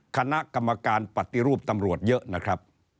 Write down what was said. คณะกรรมการปฏิรูปตำรวจเยอะนะครับ